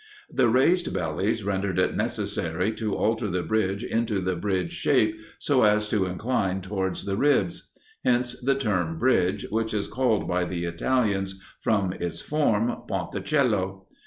The raised bellies rendered it necessary to alter the bridge into the bridge shape, so as to incline towards the ribs. Hence the term Bridge, which is called by the Italians, from its form, Ponticello.